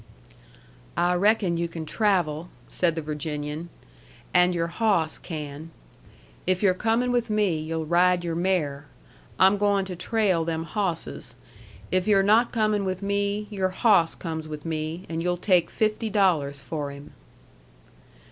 "I reckon you can travel," said the Virginian. "And your hawss can. If you're comin' with me, you'll ride your mare. I'm goin' to trail them hawsses. If you're not comin' with me, your hawss comes with me, and you'll take fifty dollars for him."